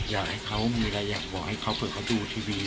อยากให้เขามีอะไรอยากบอกให้เขาเผื่อเขาดูทีวี